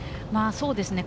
そうですね。